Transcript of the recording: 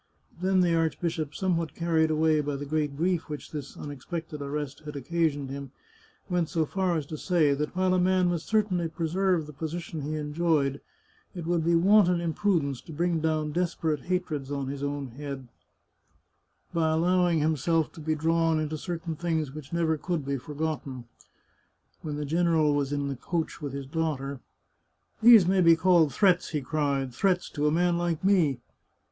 Then the archbishop, somewhat carried away by the great grief which this un expected arrest had occasioned him, went so far as to say that while a man must certainly preserve the position he enjoyed, it would be wanton imprudence to bring down desperate hatreds on his own head by allowing himself 289 The Chartreuse of Parma to be drawn into certain things which never could be for gotten. When the general was in his coach with his daughter —" These may be called threats," he cried. " Threats, to a man like me